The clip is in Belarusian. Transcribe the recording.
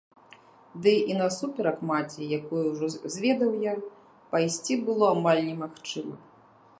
Ды і насуперак маці, якую ўжо зведаў я, пайсці было амаль немагчыма.